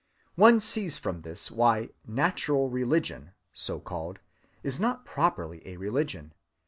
One sees from this why 'natural religion,' so‐called, is not properly a religion.